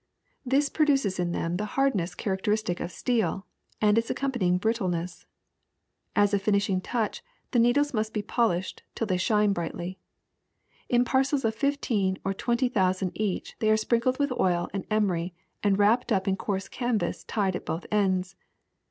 This produces in them the hardness charac NEEDLES 19 teristic of steel, and its accompanying brittleness. As a finishing touch the needles must be polished till they shine brightly. In parcels of fifteen or twenty thousand each they are sprinkled with oil and emery and wrapped up in coarse canvas tied at both ends.